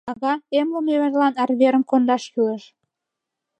— Ага, эмлыме верлан арверым кондаш кӱлеш.